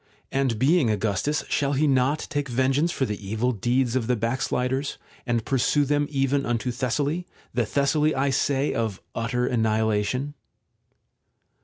And being Augustus shall he not take ven geance for the evil deeds of the backsliders, and pursue them even unto Thessaly, the Thessaly, I say, of utter annihilation